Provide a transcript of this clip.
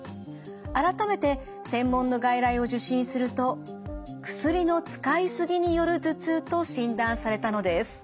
改めて専門の外来を受診すると薬の使いすぎによる頭痛と診断されたのです。